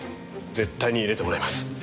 絶対に入れてもらいます。